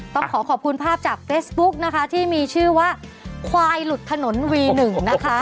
ต้องขอขอบคุณภาพจากเฟซบุ๊กนะคะที่มีชื่อว่าควายหลุดถนนวีหนึ่งนะคะ